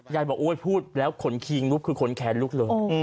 ยายบอกโอ๊ยพูดแล้วขนคิงลุกคือขนแขนลุกเลย